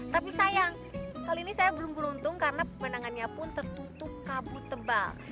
tapi sayang kali ini saya belum beruntung karena pemandangannya pun tertutup kabut tebal